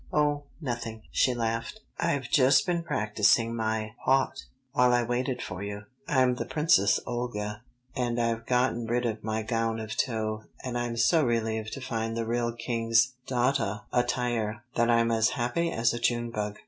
"Oh, nothing," she laughed. "I've just been practising my paht while I waited for you. I'm the Princess Olga, and I've gotten rid of my gown of tow, and I'm so relieved to find the real King's daughtah attire, that I'm as happy as a June bug."